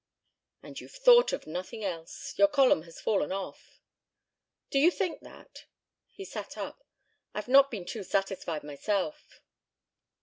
"And you've thought of nothing else. Your column has fallen off." "Do you think that?" He sat up. "I've not been too satisfied myself."